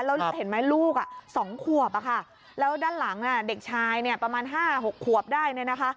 แล้วเห็นไหมลูก๒ควบแล้วด้านหลังเด็กชายประมาณ๕๖ควบได้